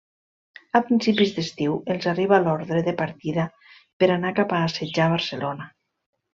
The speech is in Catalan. A principis d'estiu, els arriba l'ordre de partida per anar cap a assetjar Barcelona.